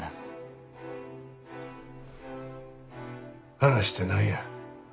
話って何や。